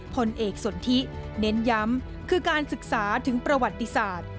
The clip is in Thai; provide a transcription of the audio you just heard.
ผลเอกสนทิเน้นย้ำคือการศึกษาถึงประวัติศาสตร์